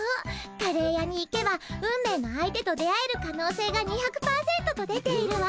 カレー屋に行けば運命の相手と出会えるかのうせいが２００％と出ているわ。